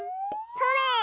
それ！